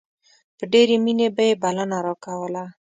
په ډېرې مينې به يې بلنه راکوله.